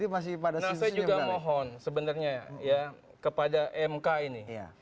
saya juga mohon sebenarnya ya kepada mk ini